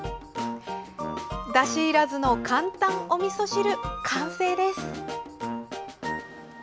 だしいらずの簡単おみそ汁完成です！